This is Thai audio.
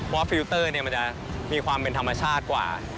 ฟิลเตอร์มันจะมีความเป็นธรรมชาติกว่า